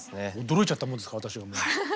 驚いちゃったもんですから私がもう。